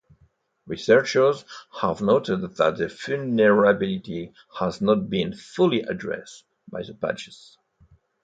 Researchers have noted that the vulnerability has not been fully addressed by the patches.